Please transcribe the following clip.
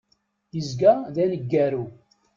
Izga d aneggaru.